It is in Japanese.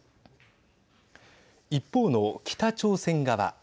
一方の北朝鮮側。